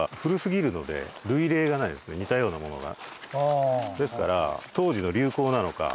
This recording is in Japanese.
似たようなものが。